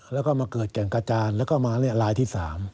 แล้วก็มาเกิดแก่งกระจานแล้วก็มาลายที่๓